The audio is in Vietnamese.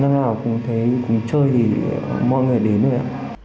năm nào cũng thấy cũng chơi thì mọi người đến rồi ạ